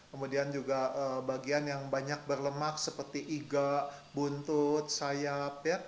kemudian juga bagian yang banyak berlemak seperti iga buntut sayap